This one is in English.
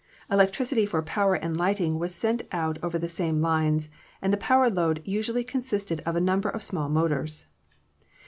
Elec tricity for power and lighting was sent out over the same lines, and the power load usually consisted of a number of small motors.